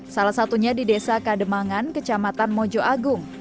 salah satunya di desa kademangan kecamatan mojo agung